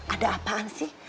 ada apaan sih